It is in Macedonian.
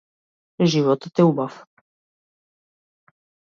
Животот е убав.